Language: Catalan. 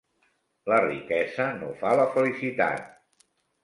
La riquesa no fa la felicitat.